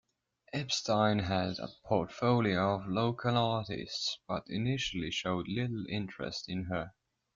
Epstein had a portfolio of local artists but initially showed little interest in her.